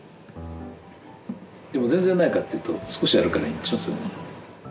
でも全然ないかっていうと少しあるからいいんでしょ。